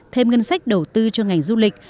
thêm ngân sách đầu tư cho ngành du lịch